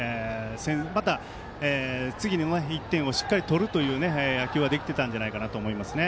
また、次の１点をしっかりとる野球ができてたんじゃないかと思います。